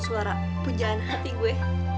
suara pujaan hati gue